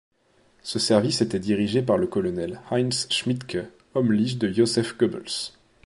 Ce service était dirigé par le colonel Heinz Schmidtke, homme lige de Joseph Goebbels.